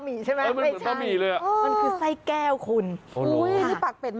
คุณเห็นว่าเป็นบะหมี่ใช่ไหม